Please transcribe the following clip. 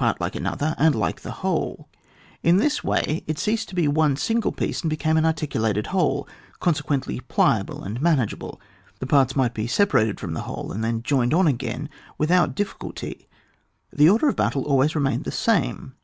art like another and like the whole, n this way it ceased to be one single piece and became an articulated whole, consequently pliable and manageable : the parts might be separated from the whole and then joined on again without difficulty, the order of battle always re mained the same.